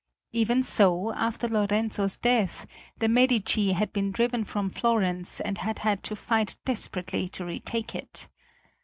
Even so after Lorenzo's death the Medici had been driven from Florence and had had to fight desperately to retake it.